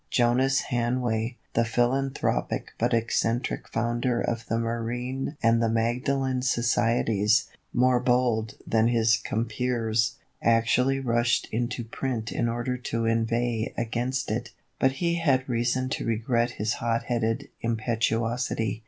Jonas Hanway, the philanthropic but eccentric founder of the Marine and the Magdalen Societies, more bold than his compeers, actually rushed into print in order to inveigh against it. But he had reason to regret his hot headed impetuosity.